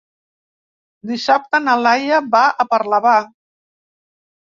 Dissabte na Laia va a Parlavà.